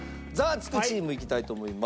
チームいきたいと思います。